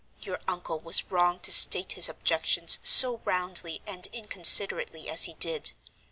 Your uncle was wrong to state his objections so roundly and inconsiderately as he did.